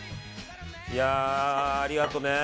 いや、ありがとうね。